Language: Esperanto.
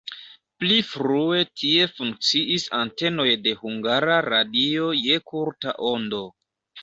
Pli frue tie funkciis antenoj de Hungara Radio je kurta ondo.